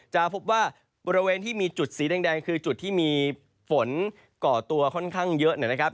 จะพบว่าบริเวณที่มีจุดสีแดงคือจุดที่มีฝนก่อตัวค่อนข้างเยอะนะครับ